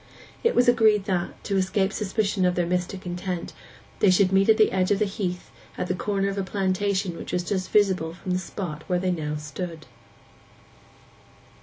It was agreed that, to escape suspicion of their mystic intent, they should meet at the edge of the heath at the corner of a plantation which was visible from the spot where they now stood.